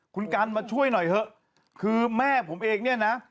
คุณกันมาช่วยหน่อยเถอะคือแม่ผมเองเนี่ยนะ